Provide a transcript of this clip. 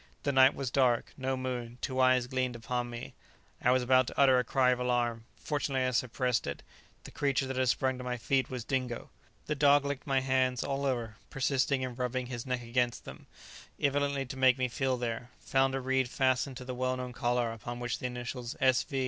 The night was dark; no moon; two eyes gleamed upon me; I was about to utter a cry of alarm; fortunately, I suppressed it; the creature that had sprung to my feet was Dingo! The dog licked my hands all over, persisting in rubbing his neck against them, evidently to make me feel there; found a reed fastened to the well known collar upon which the initials S.V.